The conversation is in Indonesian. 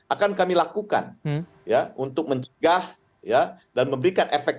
akan kami lakukan ya untuk mencegah ya dan memberikan efek